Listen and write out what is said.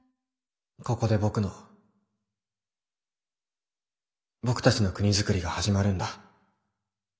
ここで僕の僕たちの国づくりが始まるんだユキ。